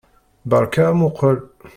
Beṛka amuqqel!